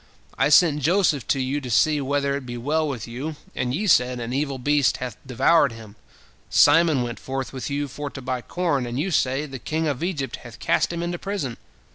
I sent Joseph to you to see whether it be well with you, and ye said, An evil beast hath devoured him. Simon went forth with you for to buy corn, and you say, The king of Egypt hath cast him into prison.